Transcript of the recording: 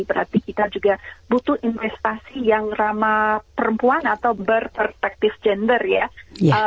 berarti kita juga butuh investasi yang ramah perempuan atau berperspektif gender ya